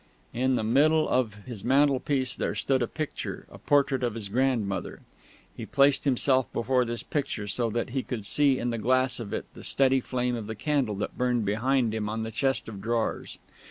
In the middle of his mantelpiece there stood a picture, a portrait of his grandmother; he placed himself before this picture, so that he could see in the glass of it the steady flame of the candle that burned behind him on the chest of drawers.